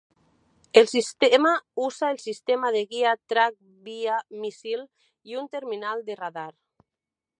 El sistema usa el sistema de guía "Track-vía-Missile" y un terminal de radar.